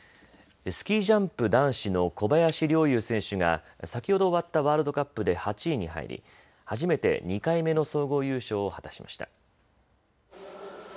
スキージャンプ男子の小林陵侑選手が先ほど終わったワールドカップで８位に入り初めて２回目の総合優勝を果たしました。